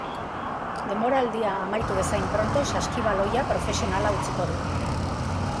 Denboraldia amaitu bezain pronto saskibaloia profesionala utziko du.